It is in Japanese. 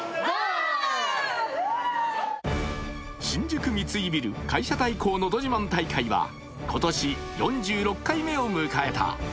新宿三井ビル会社対抗のど自慢大会は今年、４６回目を迎えた。